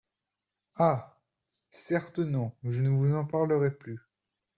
Ah ! certes non, je ne vous en parlerai plus.